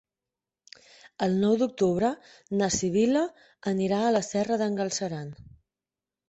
El nou d'octubre na Sibil·la anirà a la Serra d'en Galceran.